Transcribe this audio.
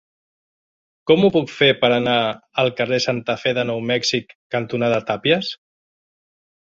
Com ho puc fer per anar al carrer Santa Fe de Nou Mèxic cantonada Tàpies?